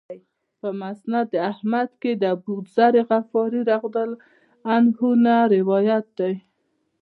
په مسند احمد کې د أبوذر غفاري رضی الله عنه نه روایت دی.